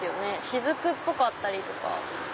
滴っぽかったりとか。